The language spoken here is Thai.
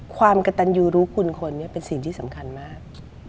ความกระตันยูรู้คุณคนนี้เป็นสิ่งที่สำคัญมาก